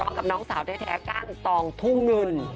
ร้องกับน้องสาวแท้ก้านตองทุ่งหนึ่น